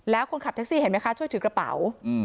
แล้วคนขับแท็กซี่เห็นไหมคะช่วยถือกระเป๋า